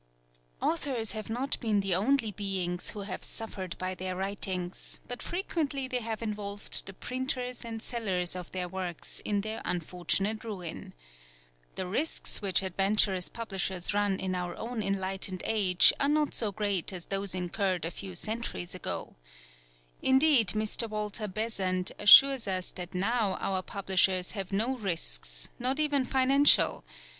Authors have not been the only beings who have suffered by their writings, but frequently they have involved the printers and sellers of their works in their unfortunate ruin. The risks which adventurous publishers run in our own enlightened age are not so great as those incurred a few centuries ago. Indeed Mr. Walter Besant assures us that now our publishers have no risks, not even financial!